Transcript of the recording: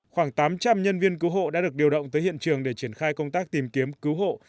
khoảng tám trăm linh nhân viên cứu hộ đã được điều động tới hiện trường để triển khai công tác tìm kiếm cứu hộ